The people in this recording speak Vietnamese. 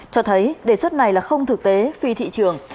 cho thấy đề xuất này là không thực tế phi thị trường